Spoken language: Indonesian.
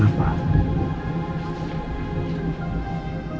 apa yang ditakutin